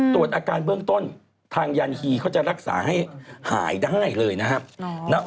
ตรวจอาการเบื้องต้นทางยันฮีเขาจะรักษาให้หายได้เลยนะครับ